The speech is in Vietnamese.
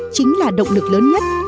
chính là động lực lớn nhất